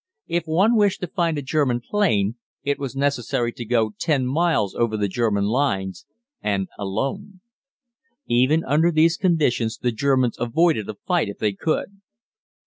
If one wished to find a German plane, it was necessary to go ten miles over the German lines, and alone. Even under these conditions the Germans avoided a fight if they could.